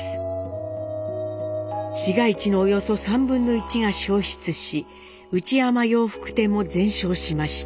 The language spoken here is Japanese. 市街地のおよそ３分の１が焼失し内山洋服店も全焼しました。